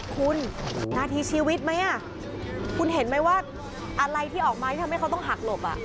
คุณนาทีชีวิตไหมคุณเห็นไหมว่าอะไรที่ออกมาที่ทำให้เขาต้องหักหลบ